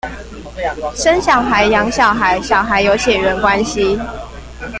生小孩、養小孩、小孩有血緣關係